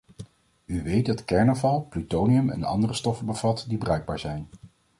U weet dat kernafval plutonium en andere stoffen bevat, die bruikbaar zijn.